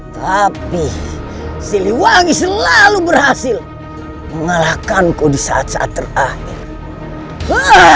tapi siliwangi selalu berhasil mengalahkanku di saat saat terakhir